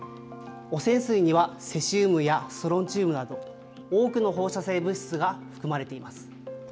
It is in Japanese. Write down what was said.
汚染水にはセシウムやストロンチウムなど、多くの放射性物質が含まれています。